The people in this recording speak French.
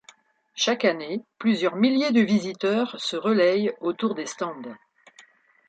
Chaque année plusieurs milliers de visiteurs se relayent autour des stands.